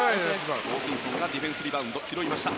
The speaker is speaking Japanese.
ホーキンソンがディフェンスリバウンドを拾いました。